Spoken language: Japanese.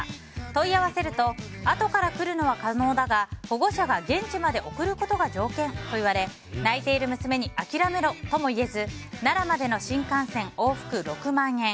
問い合わせるとあとから来るのは可能だが保護者が現地まで送ることが条件と言われ泣いている娘に諦めろとも言えず奈良までの新幹線、往復６万円